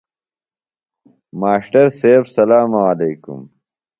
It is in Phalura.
ماݜٹر سیب سلام علیکم۔